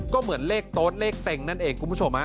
ก็เหมือนเลขโต๊ะเลขเต็งนั่นเองคุณผู้ชม